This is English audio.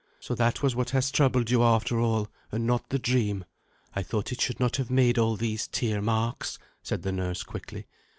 "So that was what has troubled you after all, and not the dream? I thought it should not have made all these tear marks," said the nurse quickly.